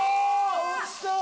おいしそう！